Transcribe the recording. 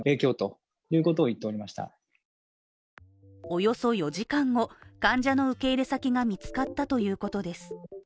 およそ４時間後、患者の受け入れ先が見つかったということです。